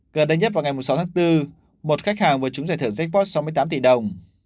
gần đây nhất vào ngày sáu tháng bốn một khách hàng vừa trúng giải thưởng jackpot sáu mươi tám tỷ đồng